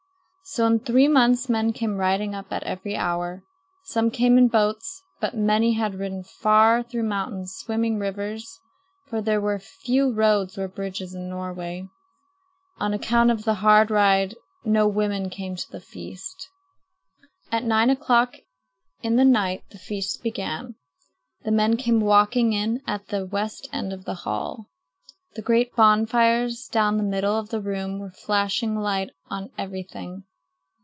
So in three months men came riding up at every hour. Some came in boats. But many had ridden far through mountains, swimming rivers; for there were few roads or bridges in Norway. On account of that hard ride no women came to the feast. At nine o'clock in the night the feast began. The men came walking in at the west end of the hall. The great bonfires down the middle of the room were flashing light on everything.